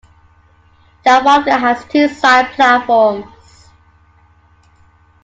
Trafalgar has two side platforms.